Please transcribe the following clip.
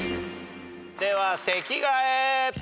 では席替え。